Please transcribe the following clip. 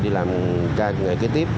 đi làm ngày kế tiếp